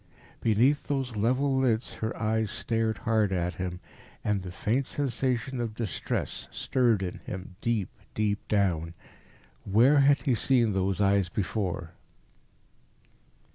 Beneath those level lids her eyes stared hard at him. And a faint sensation of distress stirred in him deep, deep down. Where had he seen those eyes before?